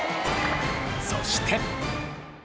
そして。